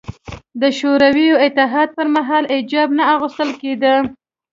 د شوروي اتحاد پر مهال حجاب نه اغوستل کېده